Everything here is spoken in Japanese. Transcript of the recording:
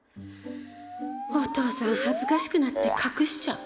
おとうさん恥ずかしくなって隠しちゃう。